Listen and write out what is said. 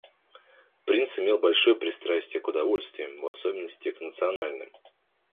Принц имел большое пристрастие к удовольствиям, в особенности к национальным.